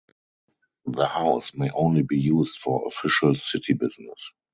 The house may only be used for official city business.